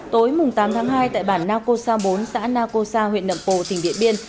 tối tám tháng hai tại bản naco sa bốn xã naco sa huyện nậm pồ tỉnh điện biên